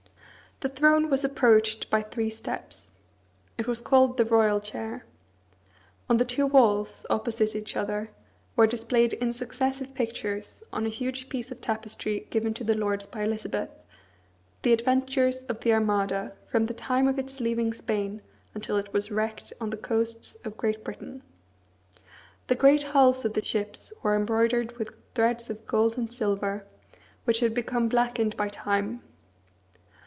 The throne was approached by three steps. It was called the royal chair. On the two walls, opposite each other, were displayed in successive pictures, on a huge piece of tapestry given to the Lords by Elizabeth, the adventures of the Armada, from the time of its leaving Spain until it was wrecked on the coasts of Great Britain. The great hulls of the ships were embroidered with threads of gold and silver, which had become blackened by time.